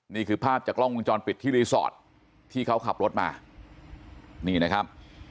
นี่คือภาพจากกล้องวงจรปิดที่รีสอร์ทที่เขาขับรถมานี่นะครับ